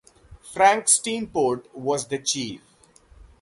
Frank Steenport was the Chief.